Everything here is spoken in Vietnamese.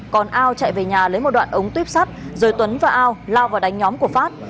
còn ao chạy về nhà lấy một đoạn ống tuyếp sắt rồi tuấn và ao lao vào đánh nhóm của phát